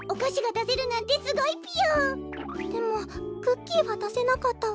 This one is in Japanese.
でもクッキーはだせなかったわ。